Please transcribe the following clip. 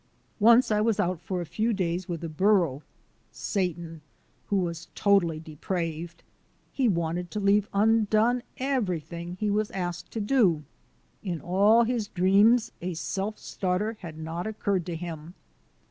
Once I was out for a few days with a burro, Satan, who was totally depraved. He wanted to leave undone everything that he was asked to do. In all his dreams a self starter had not occurred to him.